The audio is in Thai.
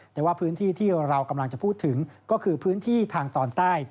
แต่ว่าพื้นที่ที่เรากำลังจะพูดถึงก็คือพื้นที่ทางตอนใต้